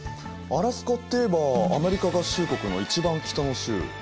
アラスカっていえばアメリカ合衆国の一番北の州寒い所だね。